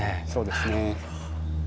そうですね。